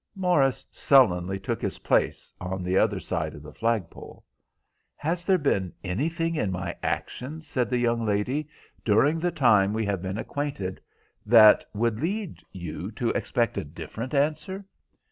Morris sullenly took his place on the other side of the flag pole. "Has there been anything in my actions," said the young lady, "during the time we have been acquainted that would lead you to expect a different answer?"